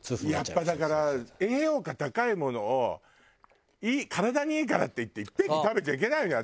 やっぱだから栄養価高いものを体にいいからっていっていっぺんに食べちゃいけないのよ。